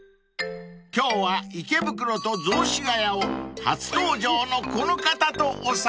［今日は池袋と雑司が谷を初登場のこの方とお散歩］